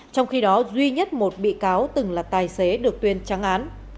trong khi đó duy nhất một bị cáo từng là tài xế được tuyên trắng án